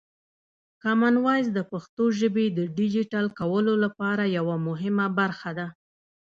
کامن وایس د پښتو ژبې د ډیجیټل کولو لپاره یوه مهمه برخه ده.